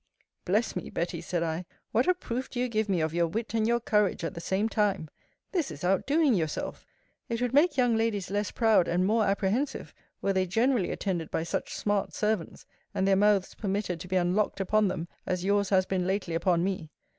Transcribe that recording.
Bless me, Betty, said I, what a proof do you give me of your wit and your courage at the same time! This is outdoing yourself. It would make young ladies less proud, and more apprehensive, were they generally attended by such smart servants, and their mouths permitted to be unlocked upon them as yours has been lately upon me.